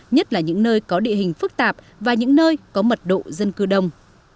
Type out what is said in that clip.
nhất là những nơi có địa hình phức tạp và những nơi có mật độ dân cư đông